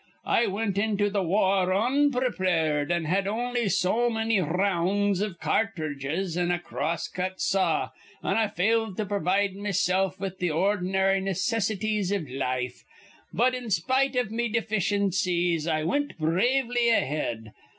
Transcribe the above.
I wint into th' war onprepared. I had on'y so many r rounds iv catridges an' a cross cut saw, an' I failed to provide mesilf with th' ord'nary necessities iv life. But, in spite iv me deficiencies, I wint bravely ahead.